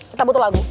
kita butuh lagu